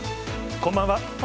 こんばんは。